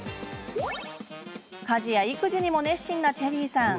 家事や育児にも熱心なチェリーさん。